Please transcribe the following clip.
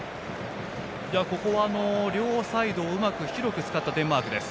ここは両サイドをうまく、広く使ったデンマークです。